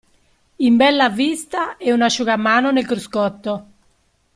In bella vista e un asciugamano nel cruscotto.